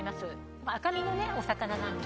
赤身のお魚なので。